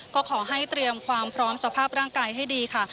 ก็ขอให้เตรียมความพร้อมสภาพร่างกายให้ดีค่ะ